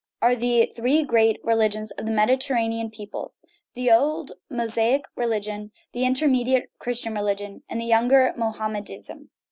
281 THE RIDDLE OF THE UNIVERSE three great religions of the Mediterranean peoples the old Mosaic religion, the intermediate Christian religion, and the younger Mohammedanism.